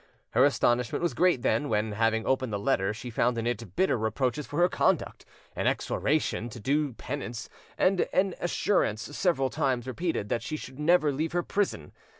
Her astonishment was great, then, when, having opened the letter, she found in it bitter reproaches for her conduct, an exhortation to do penance, and an assurance several times repeated that she should never leave her prison.